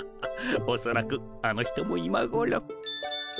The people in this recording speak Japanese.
おそらくあの人もいまごろ。